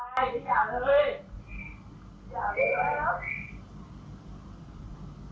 นี่อย่าเลื่อนไงชิ้น